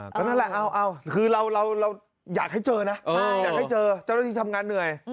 ก็นั่นแหละเอาคือเราอยากให้เจอนะอยากให้เจอเจ้าหน้าที่ทำงานเหนื่อย